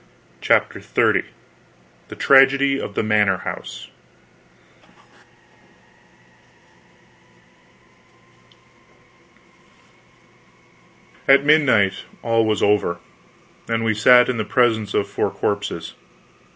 CHAPTER XXX THE TRAGEDY OF THE MANOR HOUSE At midnight all was over, and we sat in the presence of four corpses.